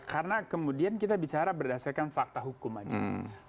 karena kemudian kita bicara berdasarkan fakta hukum saja